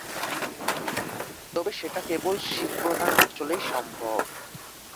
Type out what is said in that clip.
তবে সেটা কেবল শীতপ্রধান অঞ্চলেই সম্ভব।